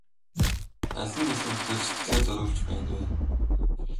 Аль нь илүү ихээр сэтгэлээ зориулж байна вэ?